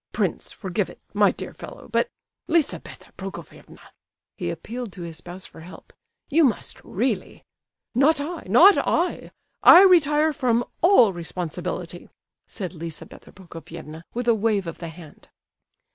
Prince, forgive it, my dear fellow, but—Lizabetha Prokofievna!"—he appealed to his spouse for help—"you must really—" "Not I—not I! I retire from all responsibility," said Lizabetha Prokofievna, with a wave of the hand.